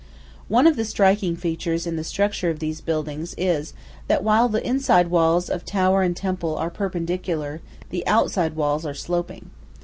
One of the striking features in the structure of these buildings is that while the inside walls of tower or temple are perpendicular, the outside walls are sloping.